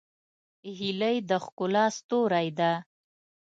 هیلۍ د ښکلا ستوری ده